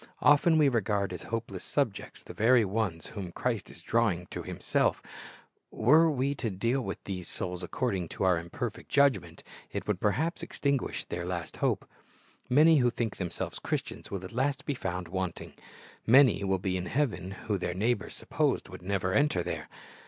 Often we regard as hopeless subjects the very ones whom Christ is drawing to Himself. Were we 72 Christ's Object Lessons to deal with these souls according to our imperfect judg ment, it would perhaps extinguish their last hope. Many who think themselves Christians will at last be found wanting. Many will be in heaven who their neighbors supposed would never enter there.